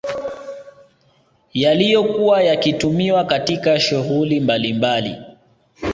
Yaliyokuwa yakitumiwa katika shughuli mbalimbali